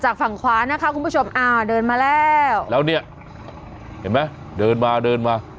ฝั่งขวานะคะคุณผู้ชมอ้าวเดินมาแล้วแล้วเนี่ยเห็นไหมเดินมาเดินมา